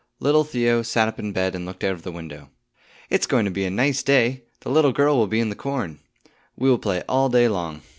Little Theo sat up in bed and looked out of the window. "It's going to be a nice day; the little girl will be in the corn. We will play all day long.